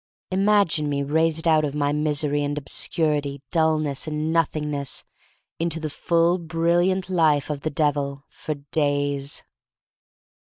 Imagine me raised out of my misery and obscurity, dullness and Nothing ness, into the full, brilliant life of the Devil — for days!